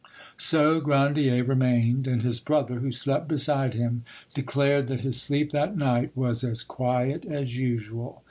So Grandier remained, and his brother, who slept beside him, declared that his sleep that night was as quiet as usual.